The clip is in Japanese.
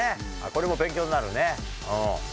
これも勉強になるね。